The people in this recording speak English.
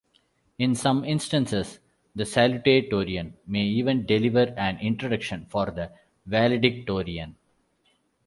In some instances, the salutatorian may even deliver an introduction for the valedictorian.